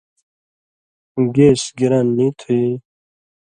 گیس گِران نی تُھو یی؟